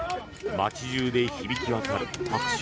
街中で響き渡る拍手。